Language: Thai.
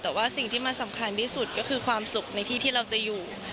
แต่ว่าสิ่งที่มันสำคัญที่สุดก็คือความสุขในที่ที่เราจะอยู่